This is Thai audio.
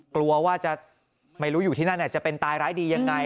กลัวว่าจะไม่รู้อยู่ที่นั่นจะเป็นตายร้ายดียังไง